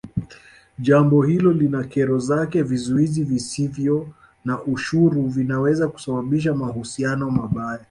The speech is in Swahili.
Jambo hilo lina kero zake vizuizi visovyo na ushuru vinaweza kusababisha mahusiano mabaya